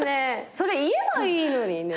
それ言えばいいのにね。